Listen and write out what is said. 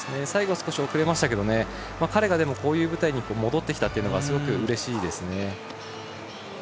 最後少し遅れましたが彼がこういう舞台に戻ってきたのはすごくうれしいですね。